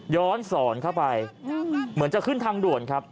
ย้อนสอนเข้าไปเหมือนจะขึ้นทางด่วนครับ